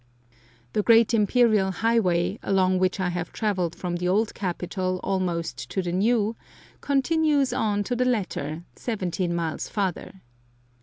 The great Imperial highway, along which I have travelled from the old capital almost to the new, continues on to the latter, seventeen miles farther.